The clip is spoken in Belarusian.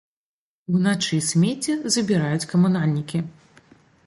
Уначы смецце забіраюць камунальнікі.